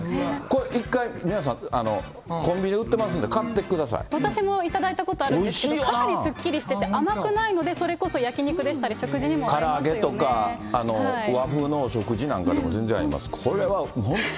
これ１回、皆さん、コンビニで売私も頂いたことあるんですけど、かなりすっきりしてて、甘くないので、それこそ焼き肉でしたから揚げとか、和風のお食事なんかでも全然合います。